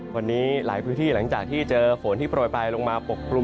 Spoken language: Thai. วันนี้หลายพื้นที่หลังจากที่เจอฝนที่โปรยไปลงมาปกคลุม